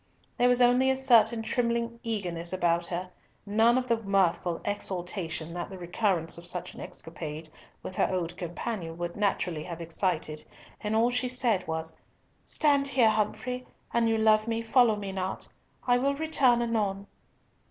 There was only a certain trembling eagerness about her, none of the mirthful exultation that the recurrence of such an escapade with her old companion would naturally have excited, and all she said was, "Stand here, Humfrey; an you love me, follow me not. I will return anon."